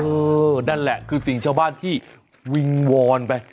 นั่นแหละคือสิ่งชาวบ้านที่วิงวอนไป